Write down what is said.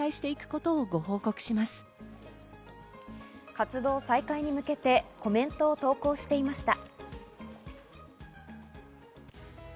活動再開に向けてコメントを投稿していました。